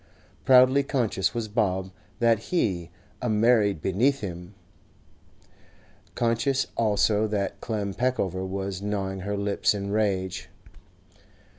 Proudly conscious was Bob that he had 'married beneath him'—conscious also that Clem Peckover was gnawing her lips in rage.